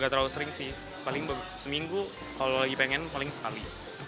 gak terlalu sering sih paling seminggu kalau lagi pengen paling sekali